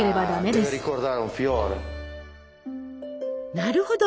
なるほど！